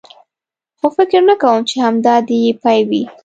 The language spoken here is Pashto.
خو فکر نه کوم، چې همدا دی یې پای وي.